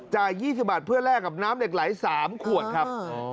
๒๐บาทเพื่อแลกกับน้ำเหล็กไหล๓ขวดครับ